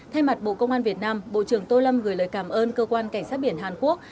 thay mặt bộ công an việt nam bộ trưởng tô lâm gửi lời cảm ơn cơ quan cảnh sát biển hàn quốc